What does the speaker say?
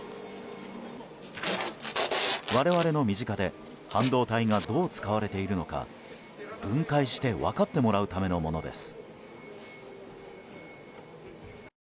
我々の身近で半導体がどう使われているのか分解して分かってもらうためのものです。